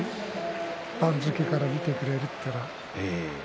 番付から見てくれるというのが。